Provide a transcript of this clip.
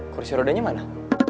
kursi rodanya mana